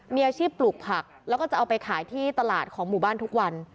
มีอาชีพปลูกผักแล้วก็จะเอาไปขายที่ตลาดของหมู่บ้านทุกวัน